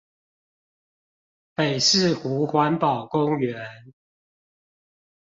北勢湖環保公園